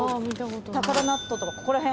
高田納豆とかここら辺。